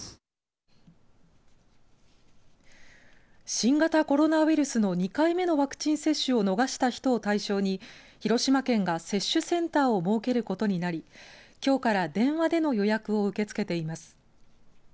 新型コロナウイルスの２回目のワクチン接種を逃した人を対象に広島県が接種センターを設けることになりきょうから電話での予約を受け付けています。